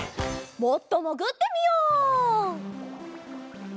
もっともぐってみよう！